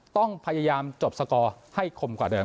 ต้องพยายามจบสกอร์ให้คมกว่าเดิม